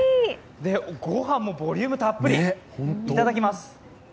御飯もボリュームたっぷり、いただきます！